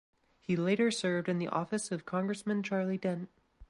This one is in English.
He later served in the office of Congressman Charlie Dent.